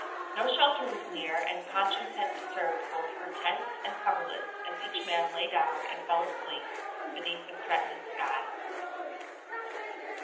No shelter was near, and ponchos had to serve both for tents and coverlets as each man lay down and fell asleep beneath the threatening sky.